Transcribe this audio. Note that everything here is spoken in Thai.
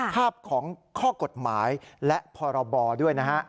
ภาพของข้อกฎหมายและพรบด้วยนะฮะ